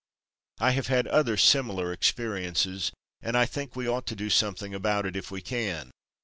I have had other similar experiences, and I think we ought to do something about it if we can.